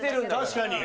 確かに。